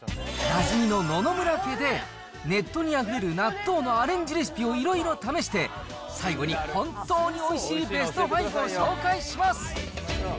それでは、なじみの野々村家で、ネットにあふれる納豆のアレンジレシピをいろいろ試して、最後に本当においしいベスト５を紹介します。